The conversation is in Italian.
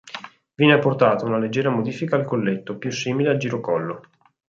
Viene apportata una leggera modifica al colletto, più simile al girocollo.